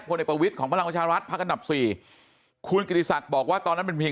คนในประวิษของพลังวัชภาครัฐพรรคอันดับสี่คุณกิริษัทบอกว่าตอนนั้นเป็นมี